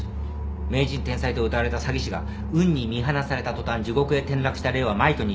名人天才とうたわれた詐欺師が運に見放された途端地獄へ転落した例は枚挙にいとまがない。